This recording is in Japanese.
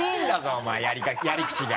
お前やり口が。